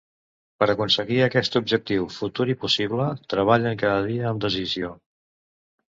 Per aconseguir aquest objectiu futur i possible treballen cada dia amb decisió.